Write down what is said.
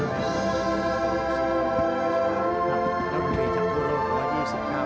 สวัสดีครับ